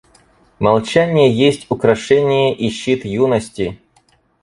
Молчание есть украшение и щит юности.